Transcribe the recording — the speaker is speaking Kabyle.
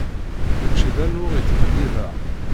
Mačči d anuɣ i ttqellibeɣ.